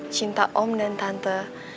cinta om dan tante